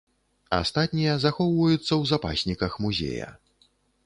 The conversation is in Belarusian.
Астатнія захоўваюцца ў запасніках музея.